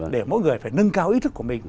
để mỗi người phải nâng cao ý thức của mình